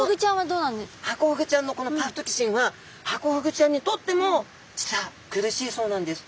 ハコフグちゃんのこのパフトキシンはハコフグちゃんにとっても実は苦しいそうなんです。